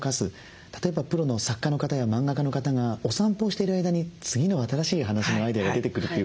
例えばプロの作家の方や漫画家の方がお散歩をしてる間に次の新しい話のアイデアが出てくるということをよくおっしゃいますが